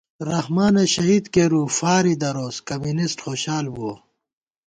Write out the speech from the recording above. رحمانہ شہید کېرُو فارےدروس کمیونسٹ خوشال بُوَہ